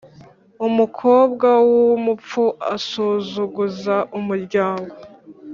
Umukobwa w’umupfu asuzuguza umuryango.